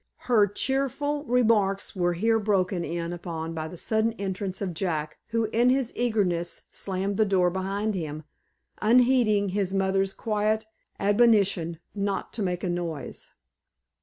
Her cheerful remarks were here broken in upon by the sudden entrance of Jack, who, in his eagerness, slammed the door behind him, unheeding his mother's quiet admonition not to make a noise.